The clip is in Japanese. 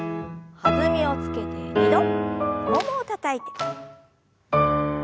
弾みをつけて２度ももをたたいて。